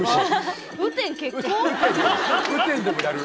雨天でもやる。